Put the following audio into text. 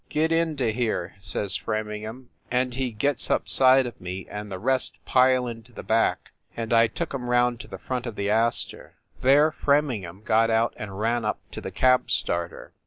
"Get into here," says Framingham, and he gets up side of me and the rest pile into the back, and I took em round to the front of the Astor. There Framingham got out and ran up to the cab starter.